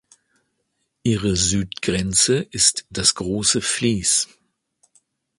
Ihre Südgrenze ist das Große Fließ.